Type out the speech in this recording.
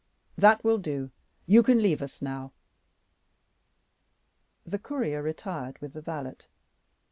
That will do, you can leave us now." The courier retired with the valet.